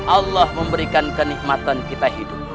allah memberikan kenikmatan kita hidup